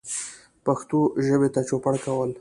پښتو ژبې ته چوپړ کول